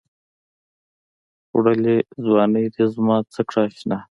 وړلې ځــواني دې زمـا څه کړه اشـنا